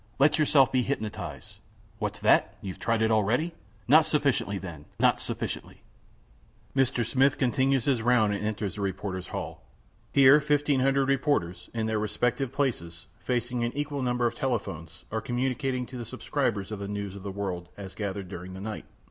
Let yourself be hypnotized. What's that? You have tried it already? Not sufficiently, then, not sufficiently!" Mr. Smith continues his round and enters the reporters' hall. Here 1500 reporters, in their respective places, facing an equal number of telephones, are communicating to the subscribers the news of the world as gathered during the night.